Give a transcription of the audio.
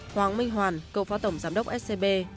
hoàng minh hoàn cậu phó tổng giám đốc scb